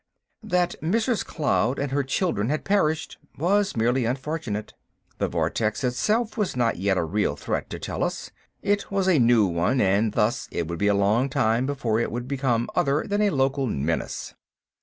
That Mrs. Cloud and her children had perished was merely unfortunate. The vortex itself was not yet a real threat to Tellus. It was a "new" one, and thus it would be a long time before it would become other than a local menace.